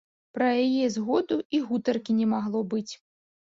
Пра яе згоду і гутаркі не магло быць.